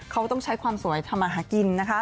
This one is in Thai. เขาต้องใช้ความสวยทำมาหากินนะคะ